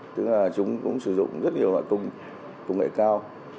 tức là chúng cũng sử dụng rất nhiều loại công nghệ cao